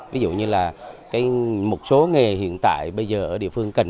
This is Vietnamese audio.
ví dụ như là một số nghề hiện tại bây giờ ở địa phương cần